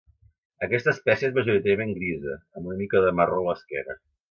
Aquesta espècie és majoritàriament grisa, amb una mica de marró a l'esquena.